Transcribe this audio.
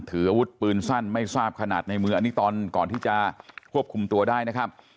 ถืออาวุธปืนสั้นไม่ทราบขนาดในมืออันนี้ตอนก่อนที่จะควบคุมตัวได้นะครับ